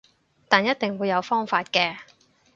但一定會有方法嘅